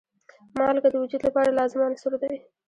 مالګه د وجود لپاره لازم عنصر دی.